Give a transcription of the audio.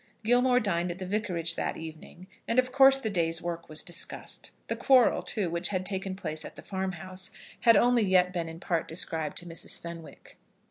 Gilmore dined at the Vicarage that evening, and of course the day's work was discussed. The quarrel, too, which had taken place at the farmhouse had only yet been in part described to Mrs. Fenwick.